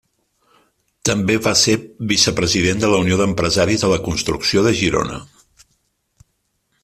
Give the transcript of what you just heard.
També va ser vicepresident de la Unió d'Empresaris de la Construcció de Girona.